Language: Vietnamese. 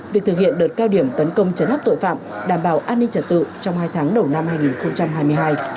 việc thực hiện đợt cao điểm tấn công chấn áp tội phạm đảm bảo an ninh trật tự trong hai tháng đầu năm hai nghìn hai mươi hai